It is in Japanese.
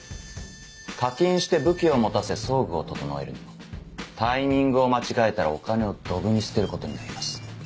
課金して武器を持たせ装具を整えるにもタイミングを間違えたらお金をドブに捨てることになります。